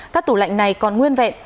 các tủ lạnh này còn nguyên vẹn